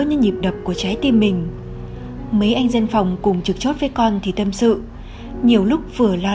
như nhịp đập của trái tim mình mấy anh dân phòng cùng trực chót với con thì tâm sự nhiều lúc vừa lo